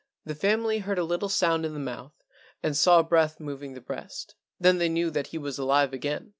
The family heard a little sound in the mouth and saw breath moving the breast, then they knew that he was alive again.